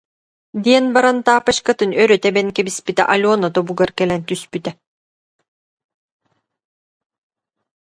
диэн баран таапачкатын өрө тэбэн кэбиспитэ Алена тобугар кэлэн түстэ